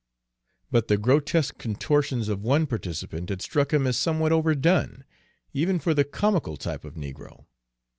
But the grotesque contortions of one participant had struck him as somewhat overdone, even for the comical type of negro.